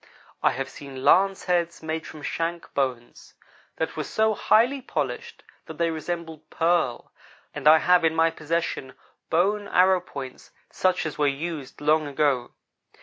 I have seen lance heads, made from shank bones, that were so highly polished that they resembled pearl, and I have in my possession bone arrow points such as were used long ago.